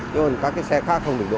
nhưng mà các cái xe khác không được đỗ